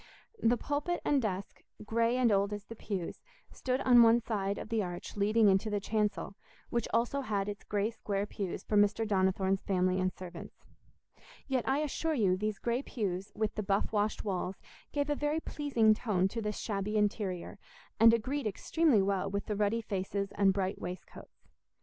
The pulpit and desk, grey and old as the pews, stood on one side of the arch leading into the chancel, which also had its grey square pews for Mr. Donnithorne's family and servants. Yet I assure you these grey pews, with the buff washed walls, gave a very pleasing tone to this shabby interior, and agreed extremely well with the ruddy faces and bright waistcoats.